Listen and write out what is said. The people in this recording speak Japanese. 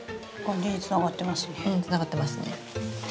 つながってますね。